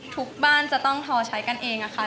ทุกบ้านจะต้องทอใช้กันเองค่ะ